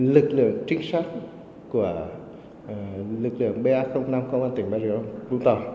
lực lượng trích sát của lực lượng ba năm công an tỉnh vũng tàu